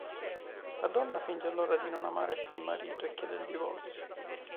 La donna finge allora di non amare più il marito e chiede il divorzio.